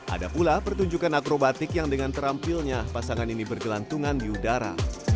ada pula pertunjukan akrobatik yang dengan terampilnya pasangan ini bergelantungan di udara